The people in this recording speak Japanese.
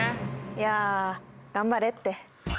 いや頑張れって。